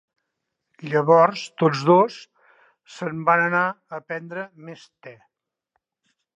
Llavors tots dos se'n van anar a prendre més te.